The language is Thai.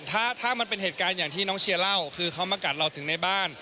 ถ้ามันเป็นเหตุการณ์อย่างที่น้องเชียร์เล่าคือเขามากัดเราถึงในบ้าน